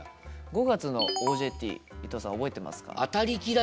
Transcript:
５月の「ＯＪＴ」伊藤さん覚えてますか？